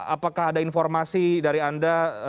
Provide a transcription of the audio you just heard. apakah ada informasi dari anda